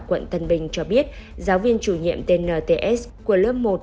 quận tân bình cho biết giáo viên chủ nhiệm tnts của lớp một